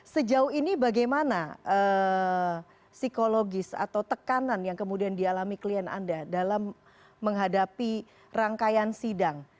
sejauh ini bagaimana psikologis atau tekanan yang kemudian dialami klien anda dalam menghadapi rangkaian sidang